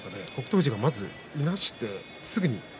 富士はまず、いなしてすぐに。